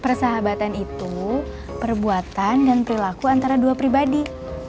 persahabatan itu perbuatan dan perilaku antara dua pribadi